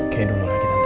kayak dulu lagi tante